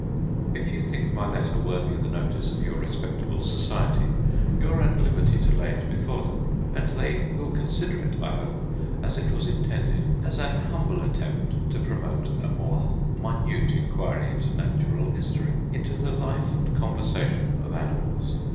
If you think my letter worthy the notice of your respectable society, you are at liberty to lay it before them; and they win consider it, I hope, as it was intended, as an humble attempt to promote a more minute inquiry into natural history; into the life and conversation of animals.